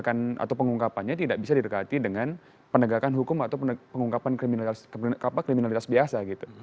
atau pengungkapannya tidak bisa didekati dengan penegakan hukum atau pengungkapan kriminalitas biasa gitu